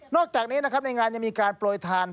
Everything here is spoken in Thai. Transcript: อกจากนี้นะครับในงานยังมีการโปรยทาน